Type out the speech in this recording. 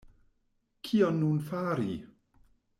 Kion nun fari?